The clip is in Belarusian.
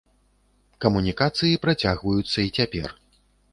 Камунікацыі працягваюцца і цяпер.